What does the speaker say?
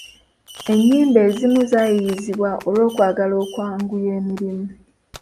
Ennyimba ezimu zaayiyizibwanga olw’okwagala okwanguya emirimu.